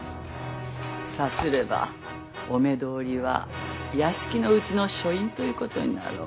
さすればお目通りは屋敷のうちの書院ということになろう。